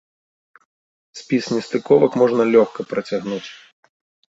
Спіс нестыковак можна лёгка працягнуць.